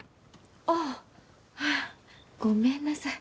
ああっフッごめんなさい。